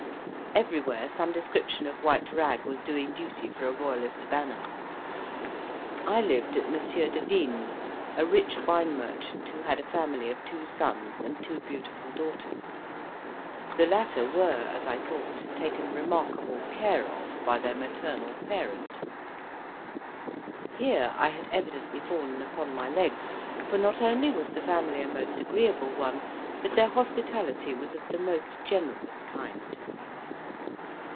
Everywhere some description of white rag was doing duty for a Royalist banner. I lived at M. Devigne's, a rich wine merchant who had a family of two sons and two beautiful daughters; the latter were, as I thought, taken remarkable care of by their maternal parent. Here I had evidently fallen upon my legs, for not only was the family a most agreeable one, but their hospitality was of the most generous kind.